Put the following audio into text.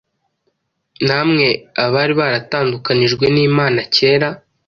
Namwe abari baratandukanijwe n’Imana kera,